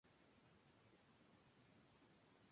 Jugaba de delantero y su primer club fue Aldosivi.